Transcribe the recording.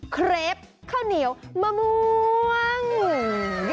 เครปข้าวเหนียวมะม่วง